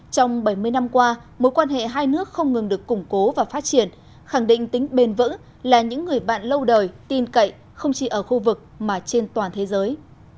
trong bảy mươi năm qua mối quan hệ hai nước không ngừng được củng cố và phát triển khẳng định tính bền vững là những người bạn lâu đời tin cậy không chỉ ở khu vực mà trên toàn thế giới